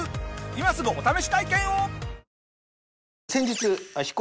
今すぐお試し体験を！